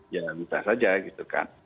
ya bisa saja gitu kan